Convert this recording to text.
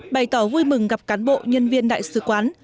bày tỏ vui mừng gặp cán bộ nhân viên đại sứ quán